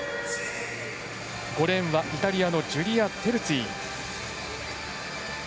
５レーンはイタリアのジュリア・テルツィ。